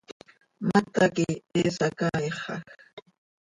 ¡Mata quih he sacaaixaj!